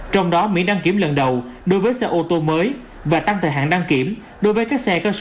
trong đó mỹ đăng kiểm lần đầu đối với xe ô tô mới và tăng thời hạn đăng kiểm đối với các xe cao số năm